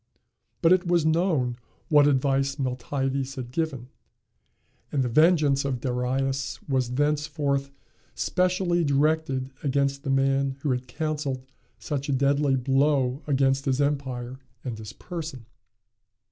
But it was known what advice Miltiades had given, and the vengeance of Darius was thenceforth specially directed against the man who had counselled such a deadly blow against his empire and his person.